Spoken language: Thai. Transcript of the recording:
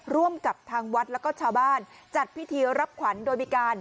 ร่วมกับทางวัดแล้วก็ชาวบ้านจัดพิธีรับขวัญโดยมีการ